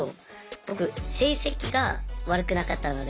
僕成績が悪くなかったので。